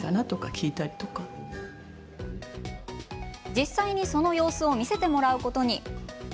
実際に、その様子を見せてもらうことに。